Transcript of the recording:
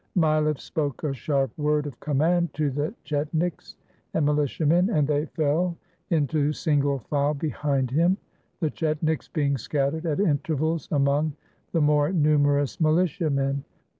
Mileff spoke a sharp word of command to the chetniks and militiamen, and they fell into single file behind him, the chetniks being scattered at intervals among the more numerous militiamen.